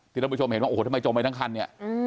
ท่านผู้ชมเห็นว่าโอ้โหทำไมจมไปทั้งคันเนี่ย